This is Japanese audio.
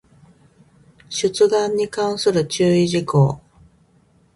出願に関する注意事項